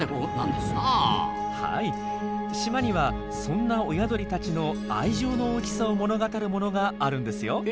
島にはそんな親鳥たちの愛情の大きさを物語るものがあるんですよ。